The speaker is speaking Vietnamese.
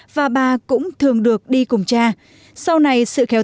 và bà cũng mời đến để may đo